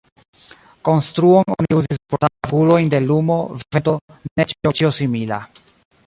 Konstruon oni uzis por savi okulojn de lumo, vento, neĝo kaj ĉio simila.